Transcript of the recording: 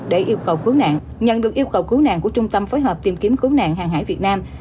để yêu cầu cứu nạn nhận được yêu cầu cứu nạn của trung tâm phối hợp tìm kiếm cứu nạn hàng hải việt nam